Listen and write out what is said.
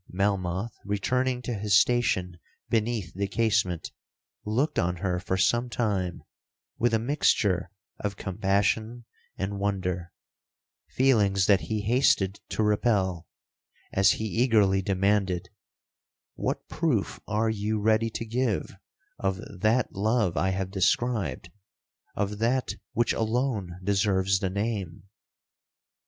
'Melmoth, returning to his station beneath the casement, looked on her for some time with a mixture of compassion and wonder—feelings that he hasted to repel, as he eagerly demanded, 'What proof are you ready to give of that love I have described—of that which alone deserves the name?'